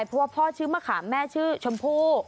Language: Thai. เพราะว่าพ่อชื่อมะขามแม่ชื่อชมพู่